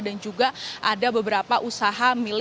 dan juga ada beberapa usaha miliknya